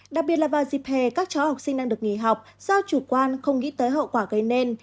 đặc biệt là vào dịp hè các cháu học sinh đang được nghỉ học do chủ quan không nghĩ tới hậu quả gây nên